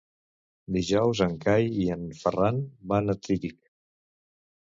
Dijous en Cai i en Ferran van a Tírig.